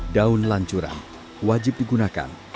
daun lancuran wajib digunakan